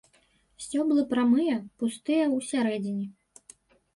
Сцёблы прамыя, пустыя ў сярэдзіне.